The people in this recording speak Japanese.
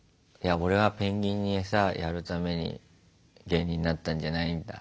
俺はペンギンにエサやるために芸人になったんじゃないんだ。